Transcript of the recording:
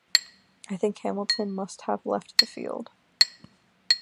I think Hamilton must have left the field.